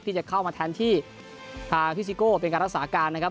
ที่จะเข้ามาแทนที่ทางพี่ซิโก้เป็นการรักษาการนะครับ